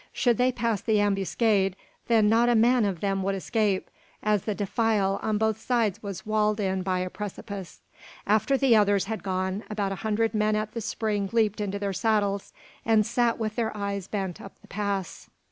Should they pass the ambuscade, then not a man of them would escape, as the defile on both sides was walled in by a precipice. After the others had gone, about a hundred men at the spring leaped into their saddles, and sat with their eyes bent up the pass.